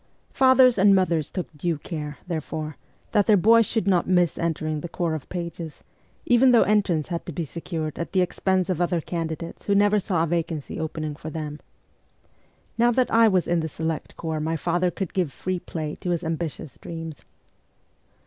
Fathers and mothers took due care, therefore, that their boys should not miss entering the corps of pages, even though entrance had to be secured at the expense of other candidates who never saw a vacancy opening for them. Now that I was in the select corps my father could give free play to his ambitious dreams.